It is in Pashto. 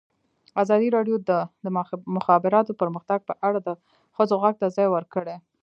ازادي راډیو د د مخابراتو پرمختګ په اړه د ښځو غږ ته ځای ورکړی.